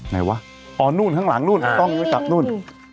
วะอ๋อนู่นข้างหลังนู่นต้องไปจับนู่น